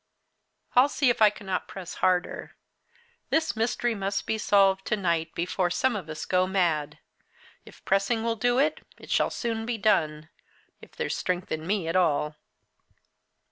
"I'll see if I cannot press harder. This mystery must be solved to night before some of us go mad; if pressing will do it, it shall soon be done if there's strength in me at all."